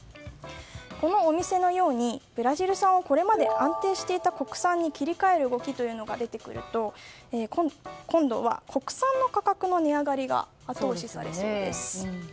このお店のようにブラジル産をこれまで安定していた国産に切り替える動きが出てくると今度は国産の価格の値上がりが後押しされます。